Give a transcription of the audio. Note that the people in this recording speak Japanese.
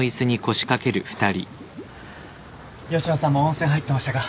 吉野さんも温泉入ってましたか。